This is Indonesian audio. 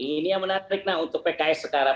ini yang menarik nah untuk pks sekarang